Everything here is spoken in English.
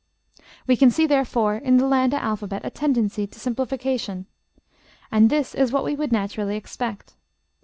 ### We can see, therefore, in the Landa alphabet a tendency to simplification. And this is what we would naturally expect.